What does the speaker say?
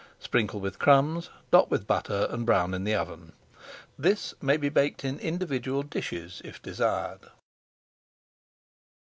Sprinkle with crumbs, dot with butter, and brown in the oven. This may be baked in individual dishes if desired.